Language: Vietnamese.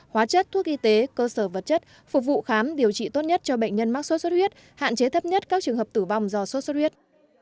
hóa chất thuốc y tế cơ sở vật chất phục vụ khám điều trị tốt nhất cho bệnh nhân mắc sốt xuất huyết hạn chế thấp nhất các trường hợp tử vong do sốt xuất huyết